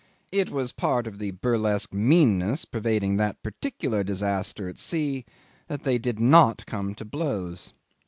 It was part of the burlesque meanness pervading that particular disaster at sea that they did not come to blows.